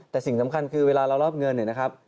แต่สิ่งสำคัญคือเวลาเรารอบเงินเนี่ยนะครับ